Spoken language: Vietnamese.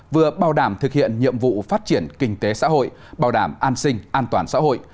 vừa bảo đảm thực hiện nhiệm vụ phát triển kinh tế xã hội bảo đảm an sinh an toàn xã hội